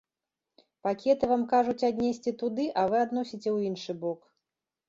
Пакеты вам кажуць аднесці туды, а вы адносіце ў іншы бок.